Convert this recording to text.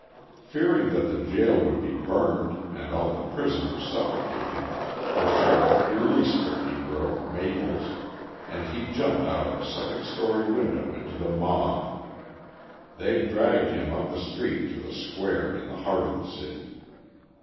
Fearing that the jail would be burned and all the prisoners suffocated, the sheriff released the Negro, Maples, and he jumped out of a second story window into the mob. They dragged him up the street to the square in the heart of the city.